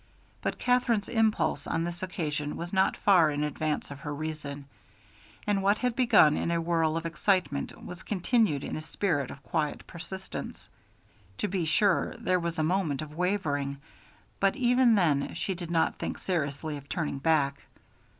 But Katherine's impulse on this occasion was not far in advance of her reason, and what had begun in a whirl of excitement was continued in a spirit of quiet persistence. To be sure, there was a moment of wavering, but even then she did not think seriously of turning back.